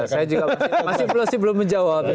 saya juga masih belum menjawab